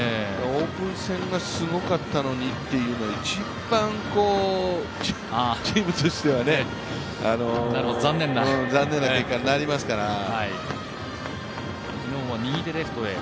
オープン戦がすごくかったのにというのが一番チームとしては残念な結果になりますから。